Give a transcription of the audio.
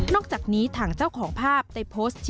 นอกจากนี้ถังเจ้าของภาพในโพสต์ชิ้นแจง